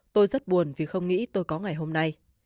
tôi rất buồn vì không nghĩ tôi có ngày hôm nay